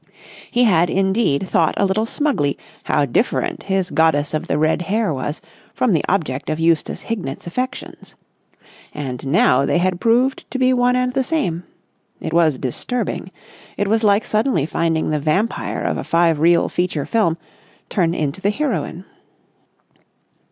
He had, indeed, thought a little smugly how different his goddess of the red hair was from the object of Eustace Hignett's affections. And now they had proved to be one and the same. It was disturbing. It was like suddenly finding the vampire of a five reel feature film turn into the heroine.